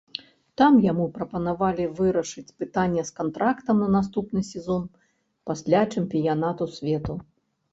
Там яму прапанавалі вырашыць пытанне з кантрактам на наступны сезон пасля чэмпіянату свету.